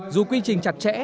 dù quy trình chặt chẽ